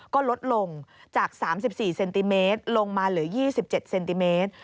ก็ลดลงจาก๓๔เซนติเมตรลงมาเหลือ๒๗เซนติเมตร